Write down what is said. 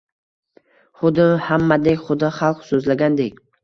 Xuddi hammadek, xuddi xalq so‘zlagandek.